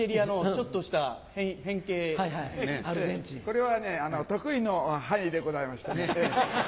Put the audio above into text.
これは得意の範囲でございましてね。